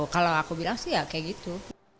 kalau aku bilang sih ya kayak gitu